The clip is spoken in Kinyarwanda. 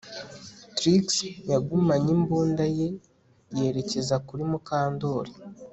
Trix yagumanye imbunda ye yerekeza kuri Mukandoli